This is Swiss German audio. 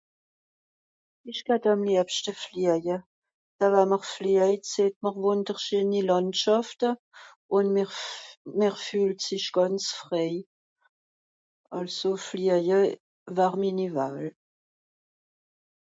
ìsch gat àm liebschte flieje da wamm'r fliejet seht mr wùnderscheeni làndschàfte ùn mr f mr fühlt sich gànz frei àlso flieje war minni wahl